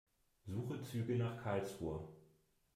Suche Züge nach Karlsruhe.